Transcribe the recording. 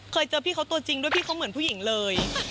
เจอพี่เขาตัวจริงด้วยพี่เขาเหมือนผู้หญิงเลย